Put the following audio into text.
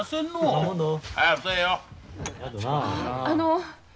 あの。